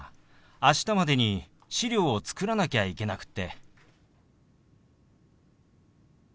明日までに資料を作らなきゃいけなくって。